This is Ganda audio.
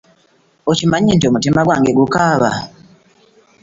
Okimanyi nti omutima gwange gukaaba?